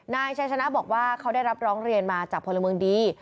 นายชัยชนะบอกว่าเขาได้รับร้องเรียนมาจากพลเมืองดี